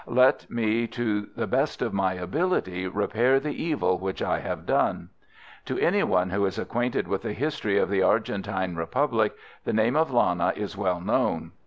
Let me to the best of my ability repair the evil which I have done. "To any one who is acquainted with the history of the Argentine Republic the name of Lana is well known.